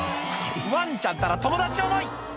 ワンちゃんったら友達思い！